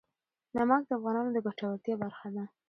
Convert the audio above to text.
نمک د افغانانو د ګټورتیا برخه ده.